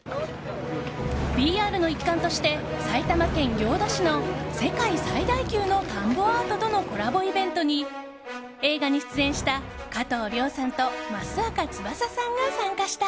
ＰＲの一環として埼玉県行田市の世界最大級の田んぼアートとのコラボイベントに映画に出演した、加藤諒さんと益若つばささんが参加した。